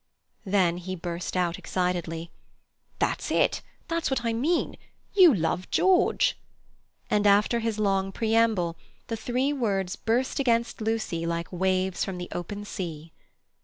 Then he burst out excitedly; "That's it; that's what I mean. You love George!" And after his long preamble, the three words burst against Lucy like waves from the open sea.